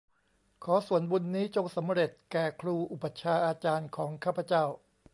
ขอส่วนบุญนี้จงสำเร็จแก่ครูอุปัชฌาย์อาจารย์ของข้าพเจ้า